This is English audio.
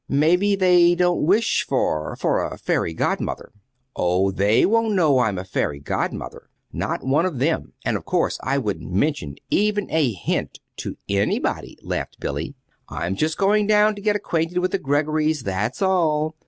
Maybe they don't wish for for a fairy godmother!" "Oh, they won't know I'm a fairy godmother not one of them; and of course I wouldn't mention even a hint to anybody," laughed Billy. "I'm just going down to get acquainted with the Greggorys; that's all.